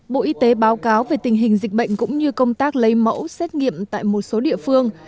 bộ y tế báo cáo về tình hình dịch bệnh cũng như công tác lấy mẫu xét nghiệm tại một số địa phương